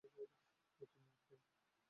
নতুন ম্যাপ নেই?